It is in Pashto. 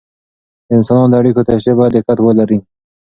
د انسانانو د اړیکو تشریح باید دقت ولري.